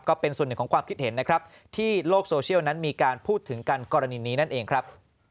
ก็เป็นส่วนหนึ่งของความคิดเห็นนะครับที่โลกโซเชียลนั้นมีการพูดถึงกันกรณีนี้นั่นเองครับ